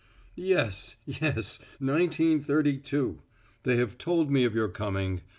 "Yes yes, Nineteen Thirty two! They have told me of your coming.